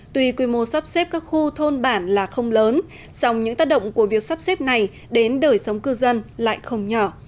tuy quy mô sắp xếp các khu thôn bản là không lớn song những tác động của việc sắp xếp này đến đời sống cư dân lại không nhỏ